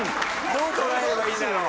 どう捉えればいいんだろう。